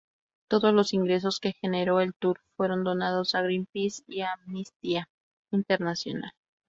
Todos los ingresos que generó el tour fueron donados a Greenpeace y Amnistía Internacional.